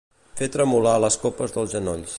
Fer tremolar les copes dels genolls.